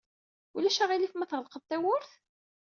Ulac aɣilif ma tɣelqeḍ tawwurt?